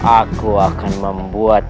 aku akan membuat